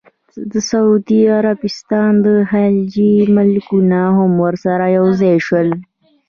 سعودي عربستان او خلیجي ملکونه هم ورسره یوځای شول.